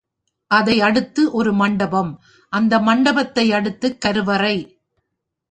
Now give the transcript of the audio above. அதை அடுத்து ஒரு மண்டபம், அந்த மண்டபத்தை அடுத்துகி கருவறை.